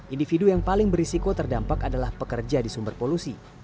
individu yang paling berisiko terdampak adalah pekerja di sumber polusi